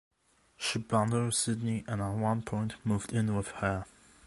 She bonded with Sydney and at one point moved in with her.